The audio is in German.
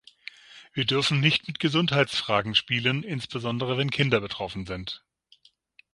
Wir dürfen nicht mit Gesundheitsfragen spielen, insbesondere wenn Kinder betroffen sind.